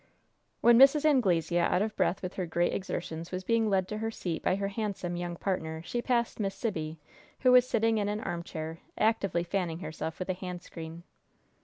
When Mrs. Anglesea, out of breath with her great exertions, was being led to her seat by her handsome, young partner, she passed Miss Sibby, who was sitting in an armchair, actively fanning herself with a hand screen.